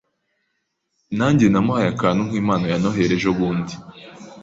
Nanjye namuhaye akantu nkimpano ya Noheri ejobundi.